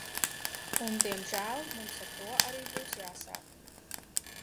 Un diemžēl mums ar to arī būs jāsāk.